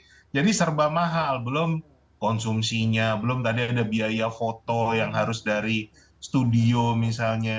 baru celananya baru jadi serba mahal belum konsumsinya belum ada biaya foto yang harus dari studio misalnya